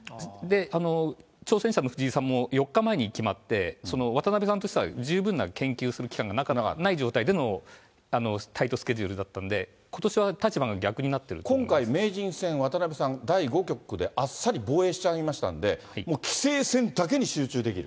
挑戦者の藤井さんも、４日前に決まって、その渡辺さんとしては十分な研究する期間がない状態でのタイトスケジュールだったので、ことしは立場が逆になっていると思いまし今回名人戦、渡辺さん、第５局であっさり防衛しちゃいましたんで、もう棋聖戦だけに集中できる？